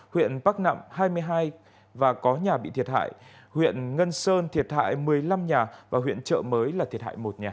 huyện bắc nẵm hai mươi hai và có nhà bị thiệt hại huyện ngân sơn thiệt hại một mươi năm nhà và huyện trợ mới là thiệt hại một nhà